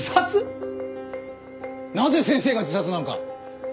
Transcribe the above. なぜ先生が自殺なんか。